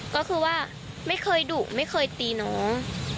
ก็คือว่าไม่เคยดุไม่เคยตีน้อง